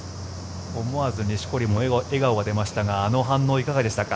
思わず錦織も笑顔が出ましたがあの反応、いかがでしたか？